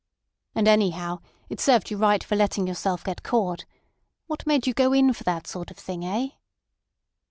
"And, anyhow, it served you right for letting yourself get caught. What made you go in for that sort of thing—eh?"